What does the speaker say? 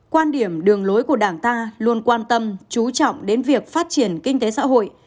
quan điểm đường lối của đảng ta luôn quan tâm chú trọng đến việc phát triển kinh tế xã hội